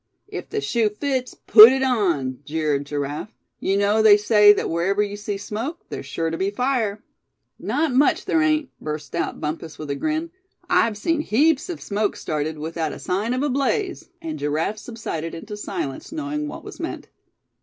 "If the shoe fits, put it on," jeered Giraffe. "You know they say that wherever you see smoke, there's sure to be fire." "Not much there ain't," burst out Bumpus, with a grin. "I've seen heaps of smoke started, without a sign of a blaze," and Giraffe subsided into silence knowing what was meant.